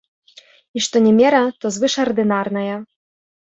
І што не мера, то звышардынарная.